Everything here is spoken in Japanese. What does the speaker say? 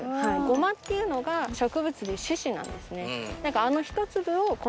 ごまっていうのが植物で種子なんですね。